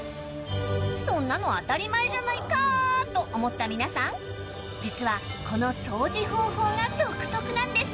そんなの当たり前じゃないかと思った皆さん実はこの掃除方法が独特なんです。